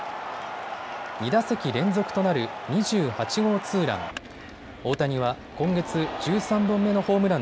２打席連続となる２８号ツーラン。